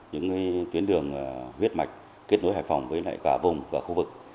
những tuyến đường huyết mạch kết nối hải phòng với cả vùng và khu vực